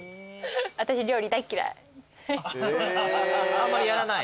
あんまりやらない？